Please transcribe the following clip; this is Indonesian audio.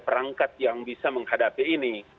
perangkat yang bisa menghadapi ini